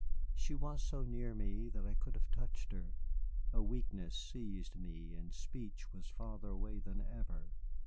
She was so near me that I could have touched her. A weakness seized me, and speech was farther away than ever.